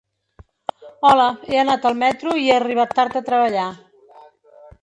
Hola, he anat al metro hi he arribat tard a treballar.